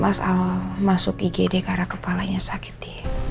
mas al masuk igd karena kepalanya sakit d